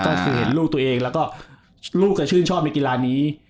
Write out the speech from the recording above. ก็คือเห็นลูกตัวเองแล้วก็ลูกจะชื่นชอบในกีฬานี้